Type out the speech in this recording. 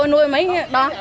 tôi nuôi mấy đó